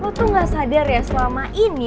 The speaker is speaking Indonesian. aku tuh gak sadar ya selama ini